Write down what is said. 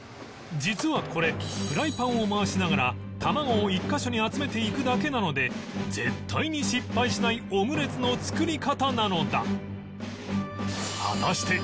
実はこれフライパンを回しながらたまごを１カ所に集めていくだけなので絶対に失敗しないオムレツの作り方なのだ